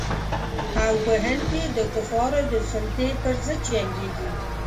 او په هند کې د کفارو د سلطې پر ضد جنګیږي.